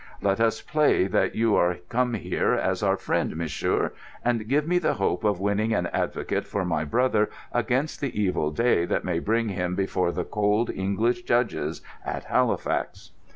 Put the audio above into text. Let us play that you come here as our friend, monsieur—and give me the hope of winning an advocate for my brother against the evil day that may bring him before the cold English judges at Halifax."